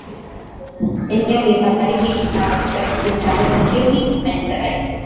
eneo lina baridi sana katika kipindi cha mwezi juni na julai